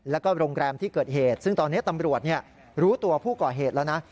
แล้วก็โรงแรมที่เกิดเหตุซึ่งตอนนี้ตำรวจรู้ตัวผู้ก่อเหตุแล้วนะ